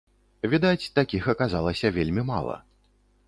Відаць, такіх аказалася вельмі мала.